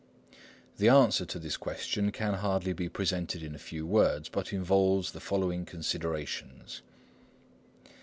The answer to this question can hardly be presented in a few words, but involves the following considerations.